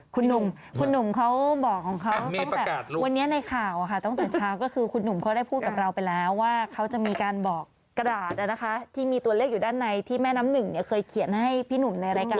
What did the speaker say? คุณหนุ่มคุณหนุ่มเขาบอกของเขาตั้งแต่วันนี้ในข่าวตั้งแต่เช้าก็คือคุณหนุ่มเขาได้พูดกับเราไปแล้วว่าเขาจะมีการบอกกราดนะคะที่มีตัวเลขอยู่ด้านในที่แม่น้ำหนึ่งเนี่ยเคยเขียนให้พี่หนุ่มในรายการ